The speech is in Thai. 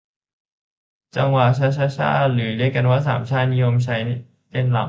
จังหวะชะชะช่า หรือเรียกกันว่าสามช่า นิยมใช้เต้นรำ